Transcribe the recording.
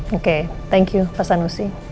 oke thank you pak sanusi